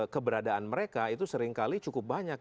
keberadaan mereka itu seringkali cukup banyak